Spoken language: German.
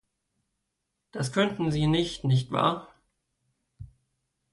Das könnten Sie nicht, nicht wahr?